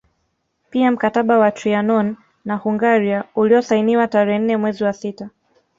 Pia mkataba wa Trianon na Hungaria uliosainiwa tarehe nne mwezi wa sita